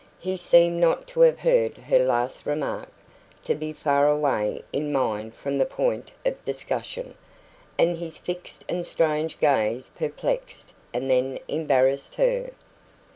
He seemed not to have heard her last remark, to be far away in mind from the point of discussion, and his fixed and strange gaze perplexed and then embarrassed her.